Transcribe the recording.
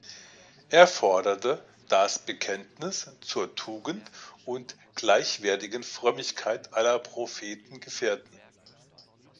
Er forderte das „Bekenntnis zur Tugend und gleichwertigen Frömmigkeit aller Prophetengefährten“.